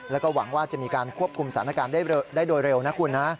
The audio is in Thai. แล้วก็หวังว่าจะมีการควบคุมสถานการณ์ได้โดยเร็วนะคุณนะ